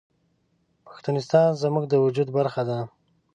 پښتونستان زموږ د وجود برخه ده